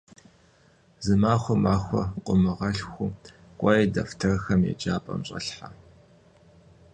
Зы махуэм махуэ къыумыгъэлъхуу, кӏуэи дэфтэрхэр еджапӏэм щӏэлъхьэ.